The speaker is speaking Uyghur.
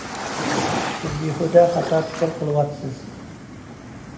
سىز بىھۇدە خاتا پىكىر قىلىۋاتىسىز!